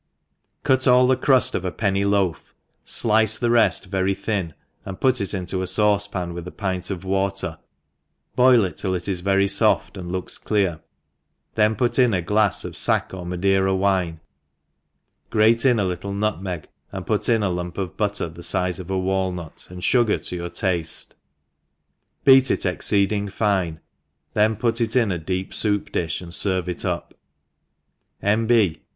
CUT all the cruft off a penny loaf, fUcc the red very thin and pi^t it into a faucepan with a pint of water, boil it till itii very foit and looks f:|ear, then put in a glafs of fack or Madeira wine^ rate in a little nutmeg, and put in a lump of utter the fize of a walnut, and fugar to your ^fte, beat it exceeding fipe, then put it in a deep foup di(h and ferve it up^ N. B.